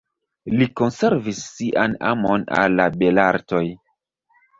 Li konservis sian amon al la belartoj.